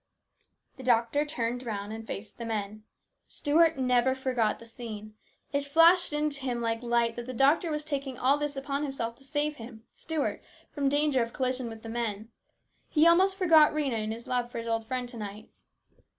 The doctor turned round and faced the men. Stuart never forgot the scene. It flashed into him like light that the doctor was taking all this upon himself to save him, Stuart, from danger of collision with the men. He almost forgot Rhena in his love for his old friend to night.